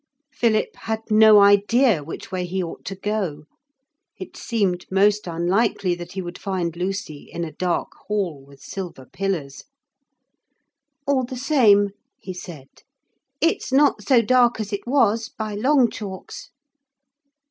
Philip had no idea which way he ought to go. It seemed most unlikely that he would find Lucy in a dark hall with silver pillars. 'All the same,' he said, 'it's not so dark as it was, by long chalks.'